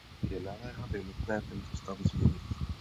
Je naléhavě nutné tento stav změnit.